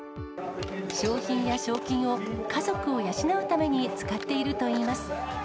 商品や賞金を家族を養うために使っているといいます。